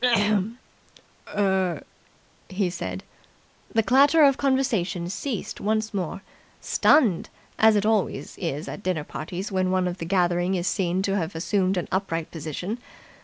"Er. ..." he said. The clatter of conversation ceased once more stunned, as it always is at dinner parties when one of the gathering is seen to have assumed an upright position.